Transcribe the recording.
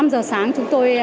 năm giờ sáng chúng tôi